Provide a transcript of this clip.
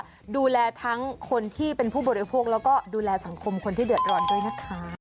ก็ดูแลทั้งคนที่เป็นผู้บริโภคแล้วก็ดูแลสังคมคนที่เดือดร้อนด้วยนะคะ